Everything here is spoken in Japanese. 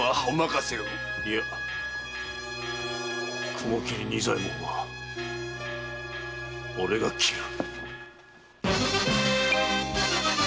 雲切仁左衛門は俺が斬る。